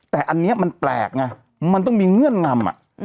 แต่อันนี้มันแปลกไงมันต้องมีเงื่อนงำ